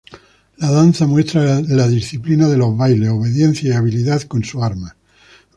La danza muestra la disciplina de los bailarines, obediencia y habilidad con su arma.